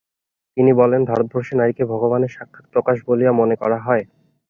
তিনি বলেন, ভারতবর্ষে নারীকে ভগবানের সাক্ষাৎ প্রকাশ বলিয়া মনে করা হয়।